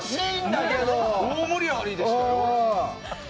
大盛り上がりでしたよ。